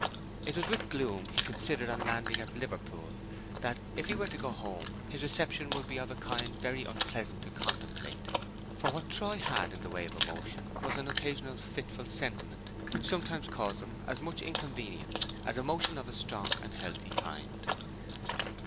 It was with gloom he considered on landing at Liverpool that if he were to go home his reception would be of a kind very unpleasant to contemplate; for what Troy had in the way of emotion was an occasional fitful sentiment which sometimes caused him as much inconvenience as emotion of a strong and healthy kind.